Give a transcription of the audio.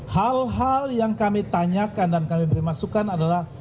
hal hal yang kami tanyakan dan kami permasukan adalah